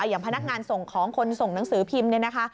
อย่างพนักงานส่งของคนส่งหนังสือพิมพ์